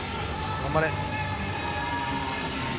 頑張れ。